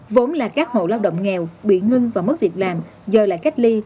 vốn là các hộ lao động nghèo bị ngưng và mất việc làm giờ lại cách ly